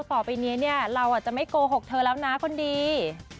ต่อไปนี้เนี่ยเราจะไม่โกหกเธอแล้วนะคนดี